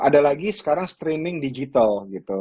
tapi sekarang streaming digital gitu